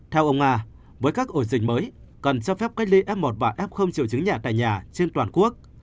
theo ông nga với các ổ dịch mới cần cho phép cách ly f một và f triệu chứng nhẹ tại nhà trên toàn quốc